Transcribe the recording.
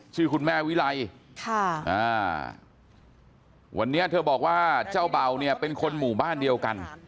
ชื่อคุณแม่วิไลวันนี้เธอบอกว่าเจ้าเบาเนี่ยเป็นคนหมู่บ้านเดียวกัน